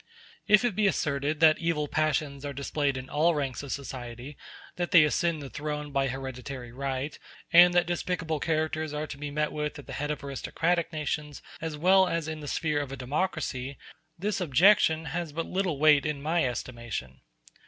If it be asserted that evil passions are displayed in all ranks of society, that they ascend the throne by hereditary right, and that despicable characters are to be met with at the head of aristocratic nations as well as in the sphere of a democracy, this objection has but little weight in my estimation.